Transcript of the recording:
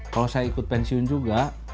kalau saya ikut pensiun juga